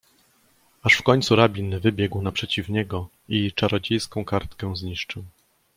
"Aż w końcu rabin wybiegł naprzeciw niego i czarodziejską kartkę zniszczył."